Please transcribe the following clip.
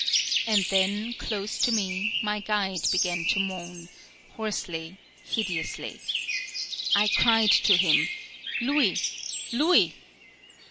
And then, close to me, my guide began to moan, hoarsely, hideously. I cried to him: "Louis! Louis!"